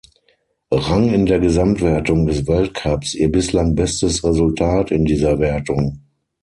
Rang in der Gesamtwertung des Weltcups ihr bislang bestes Resultat in dieser Wertung.